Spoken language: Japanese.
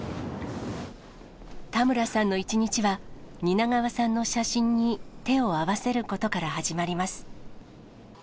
田村さんの一日は、蜷川さんの写真に手を合わせることから始まります。